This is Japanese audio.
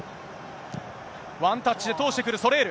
ワンタッチで通してくる、ソレール。